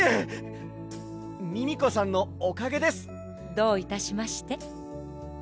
どういたしまして。